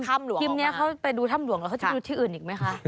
ทีมนี้เขาไปดูถ้ำหลวงแล้วเขาจะดูที่อื่นอีกไหมคะ